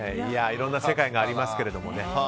いろんな世界がありますけどね。